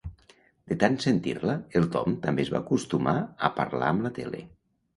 De tant sentir-la el Tom també es va acostumar a parlar amb la tele.